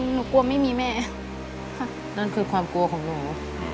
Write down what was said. หนูกลัวไม่มีแม่นั่นคือความกลัวของหนู